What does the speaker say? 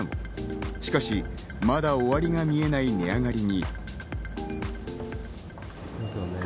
しかし、まだ終わりが見えない値上がりに。